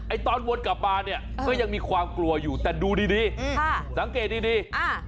ไอตอนวนกลับมาเนี่ยก็ยังมีความกลัวอยู่แต่ดูดีสังเกตดี